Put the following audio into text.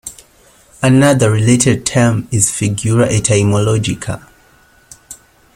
Another related term is figura etymologica.